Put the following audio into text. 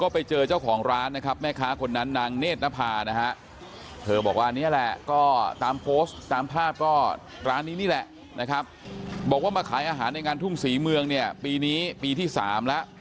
เพราะว่ามาขายอาหารในงานทุ่งศรีเมืองปีนี้ปีที่๓แล้ว